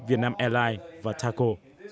vietnam airlines và taco